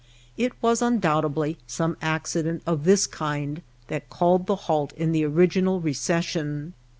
It was undoubtedly some accident of this kind that called the halt in the original reces sion.